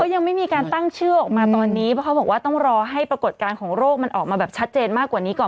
ยังไม่มีการตั้งชื่อออกมาตอนนี้เพราะเขาบอกว่าต้องรอให้ปรากฏการณ์ของโรคมันออกมาแบบชัดเจนมากกว่านี้ก่อน